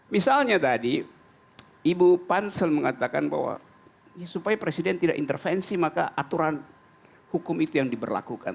misalnya tadi ibu pansel mengatakan bahwa supaya presiden tidak intervensi maka aturan hukum itu yang diberlakukan